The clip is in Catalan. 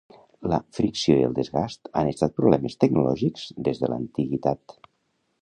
La fricció i el desgast han estat problemes tecnològics des de l'antiguitat.